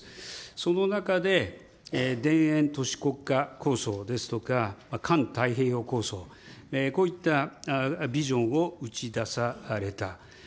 その中で、田園都市国家構想ですとか、環太平洋構想、こういったビジョンを打ちだされた。